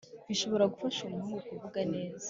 bishobora gufasha umuhungu kuvugana neza